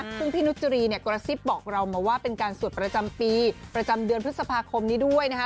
ซึ่งพี่นุจรีเนี่ยกระซิบบอกเรามาว่าเป็นการสวดประจำปีประจำเดือนพฤษภาคมนี้ด้วยนะคะ